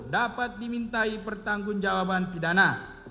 dapat dimintai pertanggung jawaban pidana